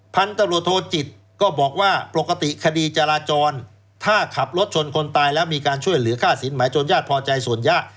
พันธุ์ตำรวจโทจิตก็บอกว่าปกติคดีจราจรถ้าขับรถชนคนตายแล้วมีการช่วยเหลือค่าสินหมายจนญาติพอใจส่วนยะ